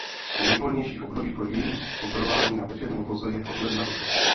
Nejvhodnější období pro její pozorování na večerní obloze je od ledna do srpna.